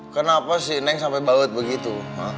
kenapa si neng sampai baut begitu